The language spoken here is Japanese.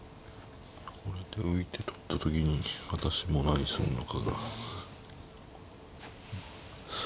これで浮いて取った時に私も何するのかが。